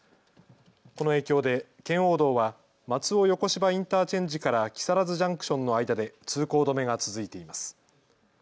この影響で圏央道は松尾横芝インターチェンジから木更津ジャンクションの間で通行止めが続いています。